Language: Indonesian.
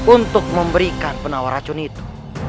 untuk memberikan penawar racun itu